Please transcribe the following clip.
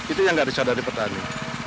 itu yang gak dicadang dari petani